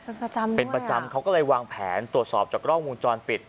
เป็นประจำเลยเป็นประจำเขาก็เลยวางแผนตรวจสอบจากกล้องวงจรปิด